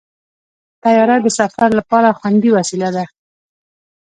طیاره د سفر لپاره خوندي وسیله ده.